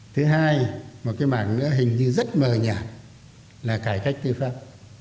thứ hai một cái mảng nữa hình như rất mờ nhạt là cải cách tư pháp